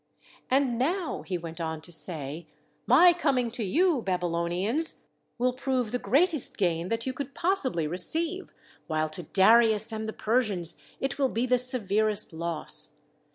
"And now," he went on to say, "my coming to you, Babylonians, will prove the greatest gain that you could possibly receive, while to Darius and the Persians it will be the severest loss.